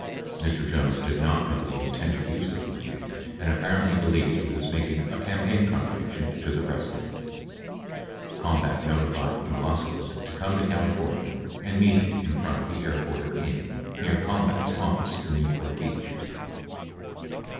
Mr. Jones did not know the intended use of the money, and apparently believed he was making a campaign contribu tion to the President. Kalmbach notified Ulasewicz to come to Cali fornia and meet him in front of the Airporter Inn near Kalmbach's office in Newport Beach.